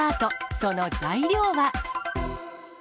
その材料は？